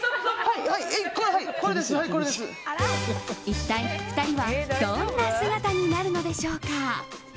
一体２人はどんな姿になるのでしょうか。